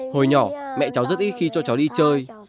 hồi nhỏ mẹ cháu rất ít khi cho cháu đi chơi